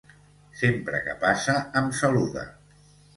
Sempre que passa em saluda.